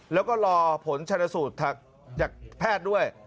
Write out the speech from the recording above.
แล้วก็รอผลชนสูตรจากแพทย์ด้วย